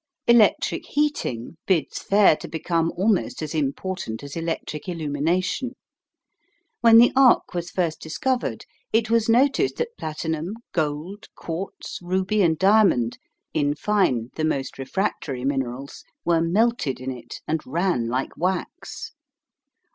Electric heating bids fair to become almost as important as electric illumination. When the arc was first discovered it was noticed that platinum, gold, quartz, ruby, and diamond in fine, the most refractory minerals were melted in it, and ran like wax.